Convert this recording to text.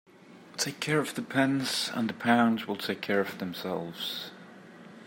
Take care of the pence and the pounds will take care of themselves.